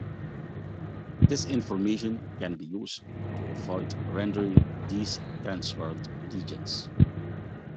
This information can be used to avoid rendering these transparent regions.